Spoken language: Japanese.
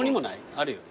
あるよね。